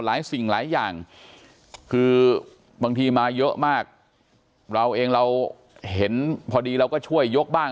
สิ่งหลายอย่างคือบางทีมาเยอะมากเราเองเราเห็นพอดีเราก็ช่วยยกบ้าง